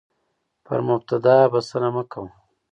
پر مبتدا بسنه مه کوه،